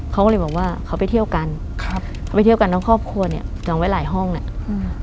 เขาก็เลยบอกว่าเขาไปเที่ยวกันครับเขาไปเที่ยวกันทั้งครอบครัวเนี้ยจองไว้หลายห้องเนี้ยอืม